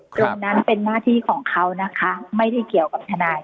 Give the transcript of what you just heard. ตรงนั้นเป็นหน้าที่ของเขานะคะไม่ได้เกี่ยวกับทนาย